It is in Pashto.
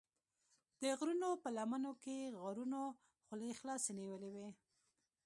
د غرونو په لمنو کې غارونو خولې خلاصې نیولې وې.